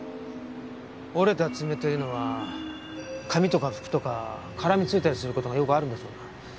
折れた爪というのは髪とか服とか絡みついたりする事がよくあるんだそうだ。